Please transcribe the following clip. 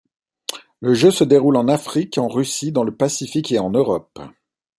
Le jeu se déroule en Afrique, en Russie, dans le Pacifique et en Europe.